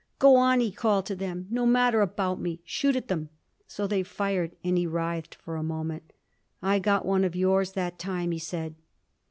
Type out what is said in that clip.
"Go on!" he called to them. "No matter about me. Shoot at them!" So they fired, and he writhed for a moment. "I got one of yours that time!" he said.